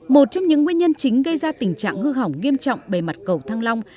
một trong những nguyên nhân chính gây ra tình trạng hư hỏng nghiêm trọng bề mặt cầu thăng long